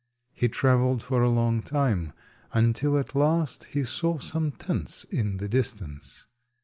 He travelled for a long time, until at last he saw some tents in the distance.